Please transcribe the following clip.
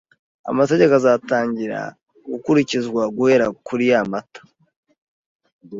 Amategeko azatangira gukurikizwa guhera ku ya Mata